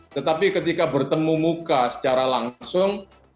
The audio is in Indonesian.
tetapi ketika bertemu muka secara langsung